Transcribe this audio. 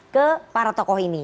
ke para tokoh ini